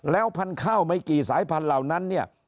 แล้วพันธุ์ข้าวไม่กี่สายพันธุ์เหล่านั้นเนี่ย